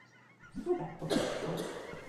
Szobekhotep volt.